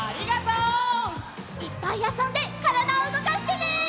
いっぱいあそんでからだをうごかしてね！